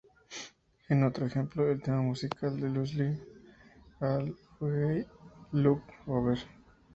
En otro ejemplo, el tema musical de Lucille Ball fue Hey, Look Me Over.